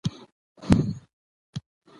د مېلو پر مهال خلک له یوه بل سره مرسته کوي.